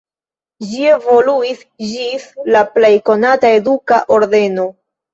Ĝi evoluis ĝis la plej konata eduka ordeno.